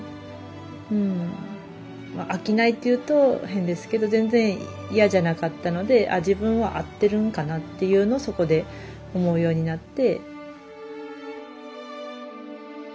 うん飽きないって言うと変ですけど全然嫌じゃなかったので自分は合ってるんかなっていうのをそこで思うようになって。